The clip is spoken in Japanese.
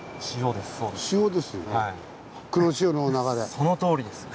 そのとおりです！